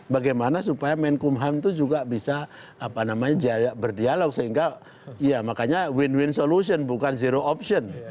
bagaimana supaya menkumham itu juga bisa berdialog sehingga ya makanya win win solution bukan zero option